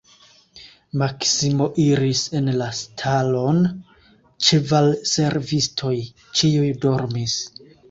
Maksimo iris en la stalon, ĉevalservistoj ĉiuj dormis.